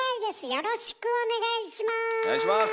よろしくお願いします。